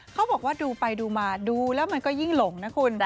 เขาบอกว่าดูไปดูมาดูแล้วมันก็ยิ่งหลงนะคุณ